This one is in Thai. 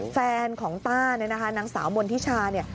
แฟนของต้าเนี่ยนะคะนางสาวมณฑิชาเนี่ย